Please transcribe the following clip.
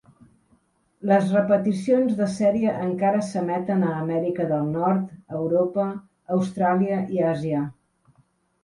Les repeticions de sèrie encara s'emeten a Amèrica del Nord, Europa, Austràlia i Àsia.